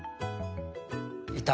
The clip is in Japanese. いた。